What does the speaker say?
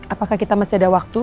apakah kita masih ada waktu